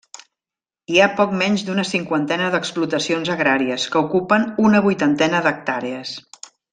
Hi ha poc menys d'una cinquantena d'explotacions agràries, que ocupen una vuitantena d'hectàrees.